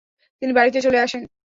তিনি বাড়িতে চলে আসেন।